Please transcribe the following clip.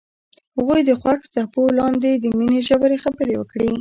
هغوی د خوښ څپو لاندې د مینې ژورې خبرې وکړې.